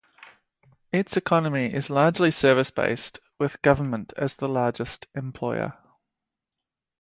Its economy is largely service based with government as the largest employer.